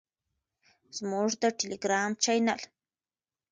زموږ د ټیلیګرام چینل